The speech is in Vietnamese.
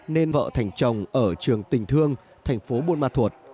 nên vợ thành chồng ở trường tình thương thành phố buôn ma thuột